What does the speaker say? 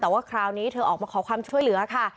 แต่ว่าคราวนี้เธอออกมาขอความช่วยเหลือค่ะ